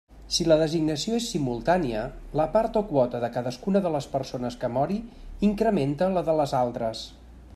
Si la designació és simultània, la part o quota de cadascuna de les persones que mori incrementa la de les altres.